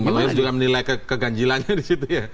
yang beliau juga menilai keganjilannya disitu ya